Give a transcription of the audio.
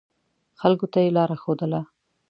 خلکو ته یې لاره ښودله.